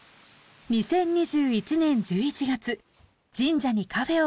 ２０２１年１１月神社にカフェをオープン。